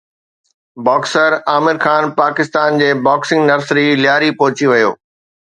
boxer Aamir Khan Pakistan جي boxing nursery Lyari پهچي ويو